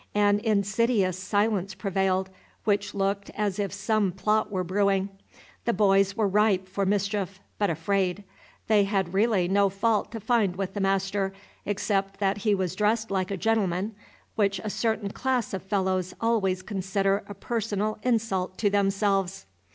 An insidious silence prevailed, which looked as if some plot were brewing. The boys were ripe for mischief, but afraid. They had really no fault to find with the master, except that he was dressed like a gentleman, which a certain class of fellows always consider a personal insult to themselves.